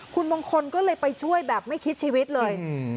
คุณมงคลก็เลยไปช่วยแบบไม่คิดชีวิตเลย